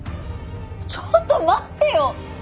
ちょっと待ってよ！